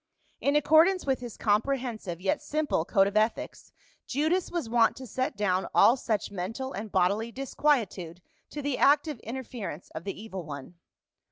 In accordance with his comprehensive yet simple code of ethics Judas was wont to set down all such mental and bodily disquietude to the active interference of the evil one.